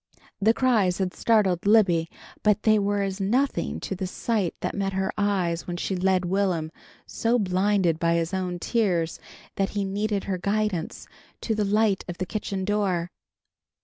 The cries had startled Libby but they were as nothing to the sight that met her eyes when she led Will'm, so blinded by his own tears that he needed her guidance, to the light of the kitchen door.